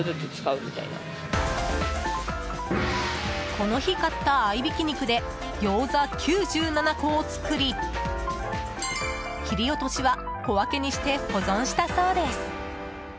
この日買った合いびき肉でギョーザ９７個を作り切り落としは小分けにして保存したそうです。